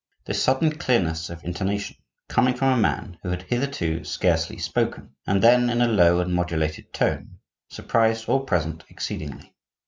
This sudden clearness of intonation, coming from a man who had hitherto scarcely spoken, and then in a low and modulated tone, surprised all present exceedingly.